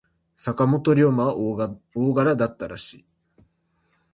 坂本龍馬は大柄だったらしい。